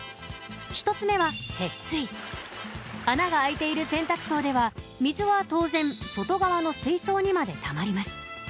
１つ目は穴があいている洗濯槽では水は当然外側の水槽にまでたまります。